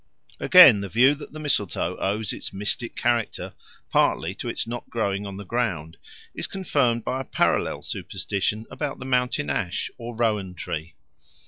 Again, the view that the mistletoe owes its mystic character partly to its not growing on the ground is confirmed by a parallel superstition about the mountain ash or rowan tree.